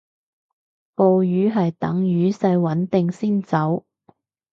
暴雨係等雨勢穩定先走